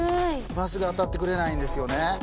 真っすぐ当たってくれないんですよね。